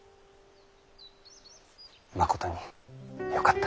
まことによかった。